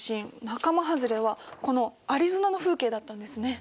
仲間はずれはこのアリゾナの風景だったんですね。